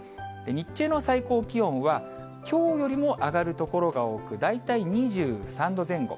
日中の最高気温は、きょうよりも上がる所が多く、大体２３度前後。